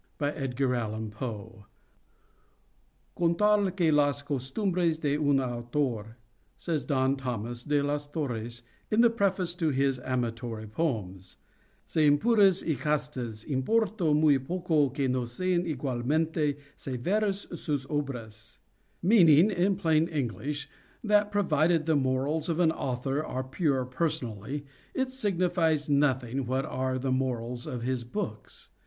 "Con tal que las costumbres de un autor," says Don Thomas de las Torres, in the preface to his "Amatory Poems" "sean puras y castas, importo muy poco que no sean igualmente severas sus obras"—meaning, in plain English, that, provided the morals of an author are pure personally, it signifies nothing what are the morals of his books.